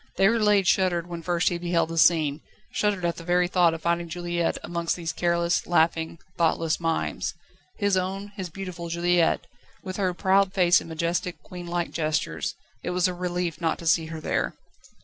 Déroulède shuddered when first he beheld the scene, shuddered at the very thought of finding Juliette amongst these careless, laughing, thoughtless mimes. His own, his beautiful Juliette, with her proud face and majestic, queen like gestures; it was a relief not to see her there.